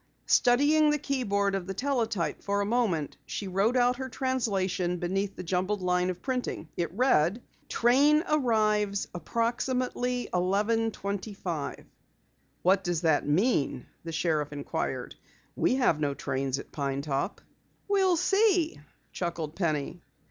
Studying the keyboard of the teletype for a moment, she wrote out her translation beneath the jumbled line of printing. It read: "Train Arrives approximately 11:25." "What does that mean?" the sheriff inquired. "We have no trains at Pine Top." "We'll see," chuckled Penny.